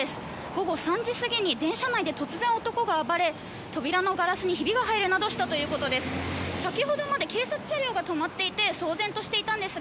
午後３時前に電車内で突然男が暴れ扉のガラスにひびが入るなどしたということです。